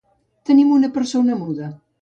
Tenim una persona muda.